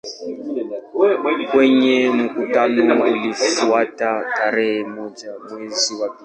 Kwenye mkutano uliofuata tarehe moja mwezi wa pili